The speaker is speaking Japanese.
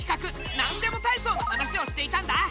「なんでもたいそう」の話をしていたんだ。